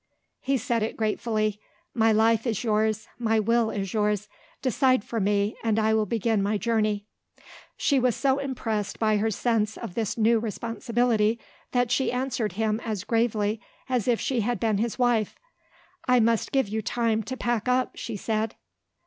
He said it gratefully. "My life is yours; my will is yours. Decide for me, and I will begin my journey." She was so impressed by her sense of this new responsibility, that she answered him as gravely as if she had been his wife. "I must give you time to pack up," she said.